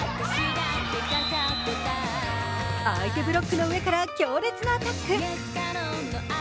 相手ブロックのうえから強烈なアタック。